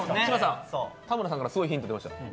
田村さんからすごいヒントもらった。